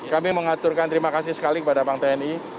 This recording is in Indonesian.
kami mengaturkan terima kasih sekali kepada bank tni